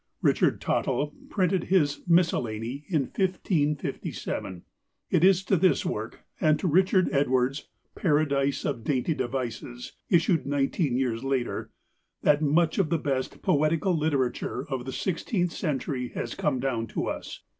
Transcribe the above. Richard Tottel printed his "Miscellany" in 1557. It is to this work, and to Richard Edwards' "Paradise of Dainty Devices," issued nineteen years later, that much of the best poetical literature of the sixteenth century has come down to us.